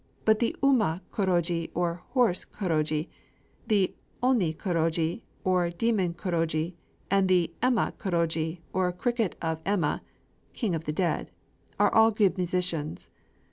But the uma kōrogi, or "horse kōrogi;" the Oni kōrogi, or "Demon kōrogi;" and the Emma kōrogi, or "Cricket of Emma [King of the Dead]," are all good musicians.